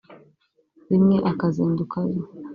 rimwe akazinduka aza